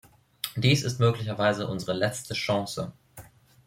Dies ist möglicherweise unsere letzte Chance.